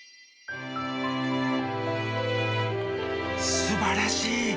すばらしい。